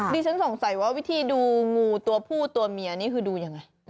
ดิฉันสงสัยว่าวิธีดูงูตัวผู้ตัวเมียนี่คือดูยังไง